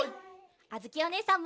あづおねえさんも。